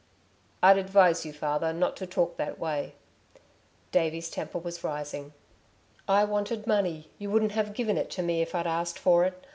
"I'd advise you, father, not to talk that way," Davey's temper was rising. "I wanted money; you wouldn't have given it to me if I'd asked for it.